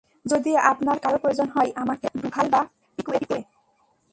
যদি আপনার কারো প্রয়োজন হয় আমাকে, ডুভাল বা পিকুয়েট কে?